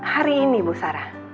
hari ini bu sarah